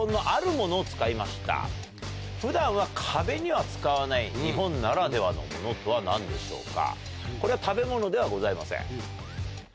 普段は壁には使わない日本ならではのものとは何でしょうか？